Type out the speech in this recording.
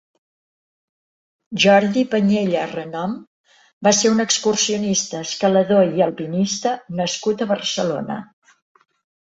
Jordi Panyella Renom va ser un excursionista, escalador i alpinista nascut a Barcelona.